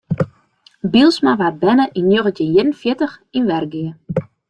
Bylsma waard berne yn njoggentjin ien en fjirtich yn Wergea.